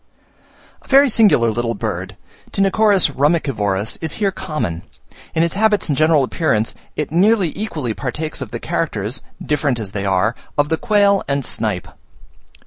A very singular little bird, Tinochorus rumicivorus, is here common: in its habits and general appearance, it nearly equally partakes of the characters, different as they are, of the quail and snipe.